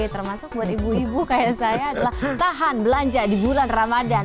termasuk buat ibu ibu kayak saya adalah tahan belanja di bulan ramadan